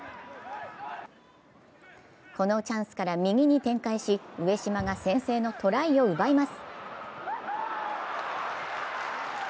このチャンスから右に展開し上嶋が先制のトライを奪います。